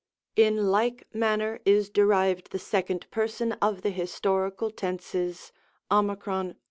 In like manner is derived the 2d Person of the historical tenses ov.